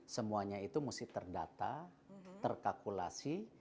semuanya itu mesti terdata terkalkulasi